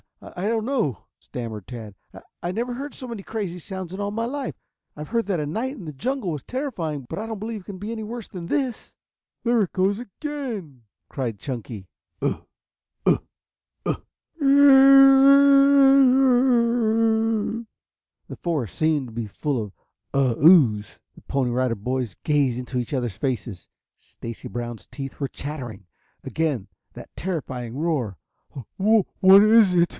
"I I don't know," stammered Tad. "I I never heard so many crazy sounds in all my life. I have heard that a night in the jungle was terrifying, but I don't believe it can be any worse than this." "There it goes again," cried Chunky. "Ugh ugh ugh, oo oo oo o o o o!" The forest seemed to be full of the "ugh oos." The Pony Rider Boys gazed into each other's faces. Stacy Brown's teeth were chattering. Again that terrifying roar. "Wha what is it?"